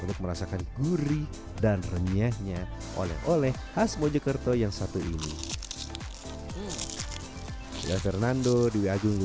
untuk merasakan gurih dan renyahnya oleh oleh khas mojokerto yang satu ini